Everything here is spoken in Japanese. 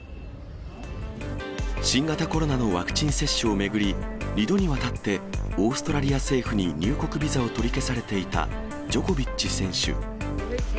新型コロナのワクチン接種を巡り、２度にわたってオーストラリア政府に入国ビザを取り消されていたジョコビッチ選手。